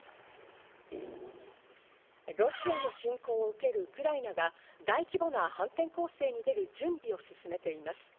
ロシアの侵攻を受けるウクライナが大規模な反転攻勢に出る準備を進めています。